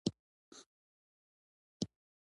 • ښه زوی د ټولنې لپاره نعمت وي.